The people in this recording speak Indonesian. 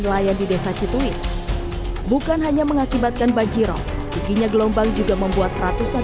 nelayan di desa cituwis bukan hanya mengakibatkan banjirong begini gelombang juga membuat ratusan